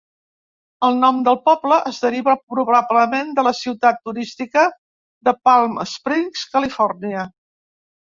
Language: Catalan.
El nom del poble es deriva probablement de la ciutat turística de Palm Springs, Califòrnia.